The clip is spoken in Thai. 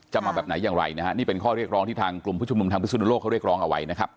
มาแบบไหนอย่างไรนะฮะนี่เป็นข้อเรียกร้องที่ทางกลุ่มผู้ชุมนุมทางพิสุนโลกเขาเรียกร้องเอาไว้นะครับ